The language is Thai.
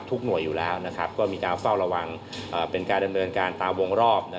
หน่วยอยู่แล้วก็มีการเฝ้าระวังเป็นการดำเนินการตามวงรอบ